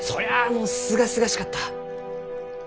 もうすがすがしかった！